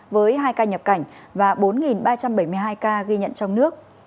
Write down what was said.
với hai ca nhập cảnh và bốn ba trăm bảy mươi hai ca ghi nhận trong nước